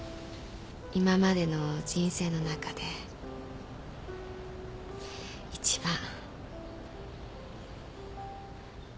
今までの人生の中でいちばん。